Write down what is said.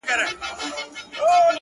• زندانونو ته خپلوان یې وه لېږلي,